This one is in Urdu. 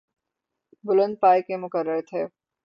بلند پائے کے مقرر تھے۔